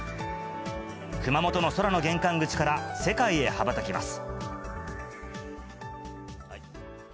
熊本の空の玄関口から、世界へ羽ばたきます。